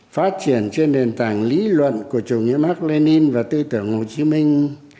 phát triển trên nền tảng lý luận của chủ nghĩa mạc lê ninh và tư tưởng hồ chí minh